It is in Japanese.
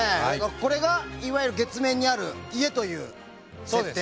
これがいわゆる月面にある家という設定。